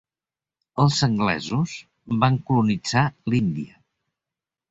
Els anglesos van colonitzar l'Índia.